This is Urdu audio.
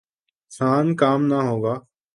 سان کام نہ ہوگا ۔